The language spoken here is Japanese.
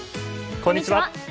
こんにちは。